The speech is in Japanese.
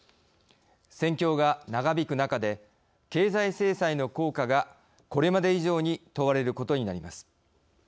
戦況が長引く中で経済制裁の効果がこれまで以上に問われることになります。